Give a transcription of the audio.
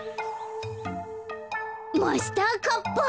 マスターカッパー。